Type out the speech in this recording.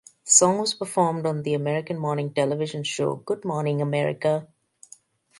The song was performed on the American morning television show "Good Morning America".